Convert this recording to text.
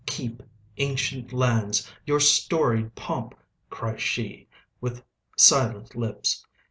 "Keep, ancient lands, your storied pomp!" cries sheWith silent lips.